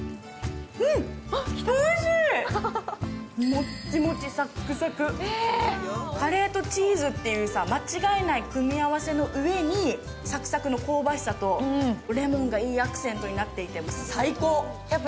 モッチモチ、サックサク、カレーとチーズっていう間違いない組み合わせのうえにサクサクの香ばしさとレモンがいいアクセントになってて、最高。